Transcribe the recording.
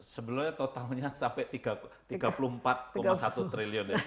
sebelumnya totalnya sampai tiga puluh empat satu triliun